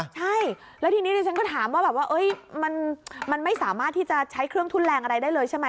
ใช่แล้วทีนี้ดิฉันก็ถามว่าแบบว่ามันไม่สามารถที่จะใช้เครื่องทุนแรงอะไรได้เลยใช่ไหม